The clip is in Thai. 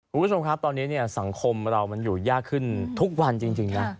คุณผู้ชมครับตอนนี้สังคมเรามันอยู่ยากขึ้นทุกวันจริงนะ